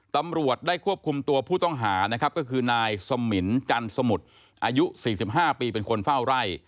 ตำรวจได้ควบคุมตัวผู้ต้องหานะครับก็คือนายสมินจันสมุทรอายุ๔๕ปีเป็นคนเฝ้าไร่